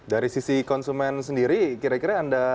dari sisi konsumen sendiri kira kira anda